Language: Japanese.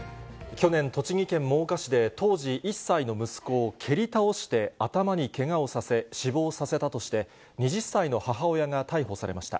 去年、栃木県真岡市で当時１歳の息子を蹴り倒して頭にけがをさせ、死亡させたとして、２０歳の母親が逮捕されました。